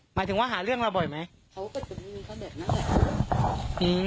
หมายถึงว่าหาเรื่องละบ่อยไหม